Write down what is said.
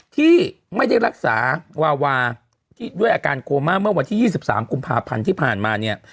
ที่ไม่ได้รักษาวาวาที่ด้วยอาการโคม่าเมื่อวันที่๒๓กุมภาพันธ์ที่ผ่านมาเนี่ย